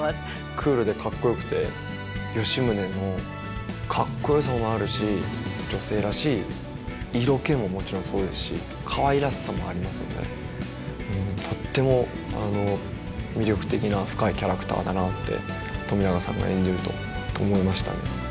クールでかっこよくて吉宗のかっこよさもあるし女性らしい色気ももちろんそうですしかわいらしさもありますのでとっても魅力的な深いキャラクターだなって冨永さんが演じると思いましたね。